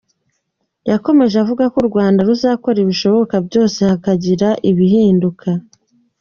Yakomeje avuga ko u Rwanda ruzakora ibishoboka byose hakagira igihinduka.